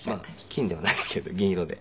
金ではないですけど銀色で。